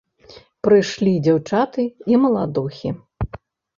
Прыйшлі дзяўчаты і маладухі.